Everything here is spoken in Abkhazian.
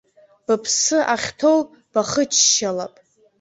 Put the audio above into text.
Быԥсы ахьҭоу бахыччалап.